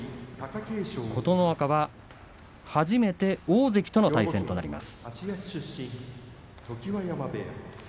琴ノ若は初めて大関との対戦となります。